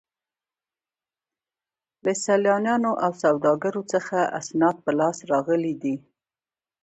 له سیلانیانو او سوداګرو څخه اسناد په لاس راغلي دي.